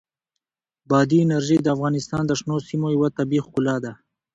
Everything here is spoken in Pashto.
بادي انرژي د افغانستان د شنو سیمو یوه طبیعي ښکلا ده.